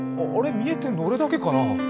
見えてるの俺だけかな？